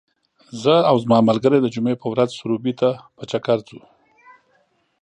زه او زما ملګري د جمعې په ورځ سروبي ته په چکر ځو .